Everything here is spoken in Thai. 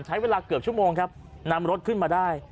ใช้เวลาเกือบชั่วโมงครับนำรถขึ้นมาได้